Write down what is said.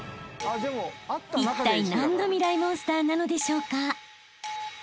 ［いったい何のミライ☆モンスターなのでしょうか？］